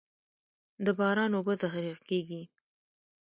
د باران اوبه ذخیره کیږي